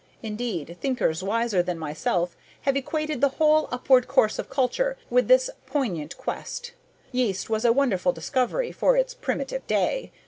Indeed, thinkers wiser than myself have equated the whole upward course of culture with this poignant quest. Yeast was a wonderful discovery for its primitive day.